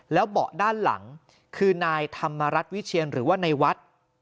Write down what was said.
แล้วเบาะด้านหลังคือนายธรรมรัฐวิเชียนหรือว่าในวัด